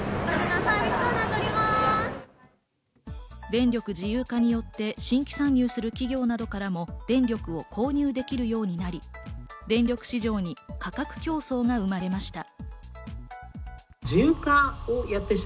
電力自由化によって新規参入する企業などからも電力を購入できるようになり、電力市場に価格競争が生まれました。